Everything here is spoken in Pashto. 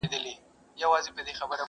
نه له ډوله آواز راغی نه سندره په مرلۍ کي؛